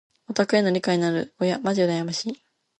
オタクへの理解のある親まじ羨ましい。